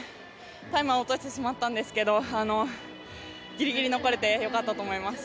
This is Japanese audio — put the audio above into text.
タイムは落としてしまったんですがギリギリ残れて良かったと思います。